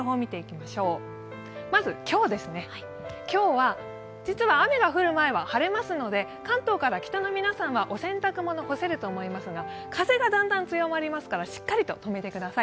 まず今日は実は雨が降る前は晴れますので関東から北の皆さんはお洗濯物を干せると思いますが風がだんだん強まりますから、しっかりととめてください。